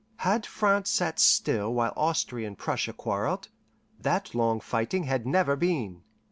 Had France sat still while Austria and Prussia quarreled, that long fighting had never been.